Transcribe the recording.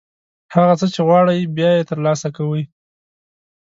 هغه څه چې غواړئ، بیا یې ترلاسه کوئ.